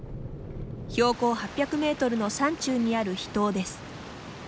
標高８００メートルの山中にある秘湯です。